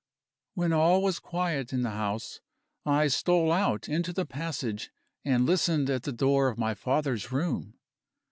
When all was quiet in the house, I stole out into the passage and listened at the door of my father's room.